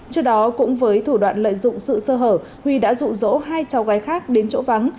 trước đó cũng với thủ đoạn lợi dụng sự sơ hở huy đã rụ rỗ hai cháu gái khác đến chỗ vắng